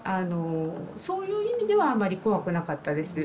そういう意味ではあまり怖くなかったです。